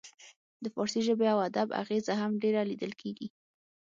د فارسي ژبې او ادب اغیزه هم ډیره لیدل کیږي